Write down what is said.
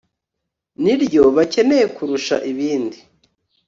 ni ryo bakeneye kurusha ibindi